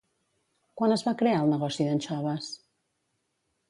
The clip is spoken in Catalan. Quan es va crear el negoci d'anxoves?